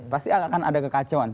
pasti akan ada kekacauan